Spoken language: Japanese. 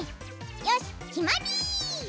よしきまり！